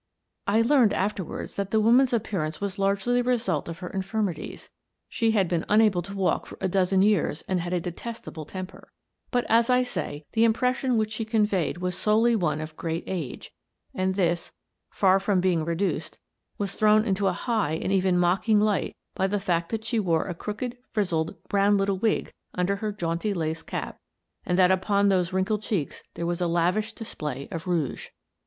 I learned afterwards that the woman's appearance was largely the result of her infirmities (she had been unable to walk for a dozen years and had a detestable temper), but, as I say, the impres sion which she conveyed was solely one of great age, and this — far from being reduced — was thrown into a high and even mocking light by the fact that she wore a crooked, frizzed, brown little wig under her jaunty lace cap, and that upon those wrinkled cheeks there was a lavish display of rouge.